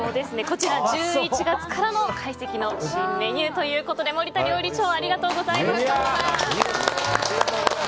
こちら、１１月からの懐石の新メニューということで森田料理長ありがとうございました。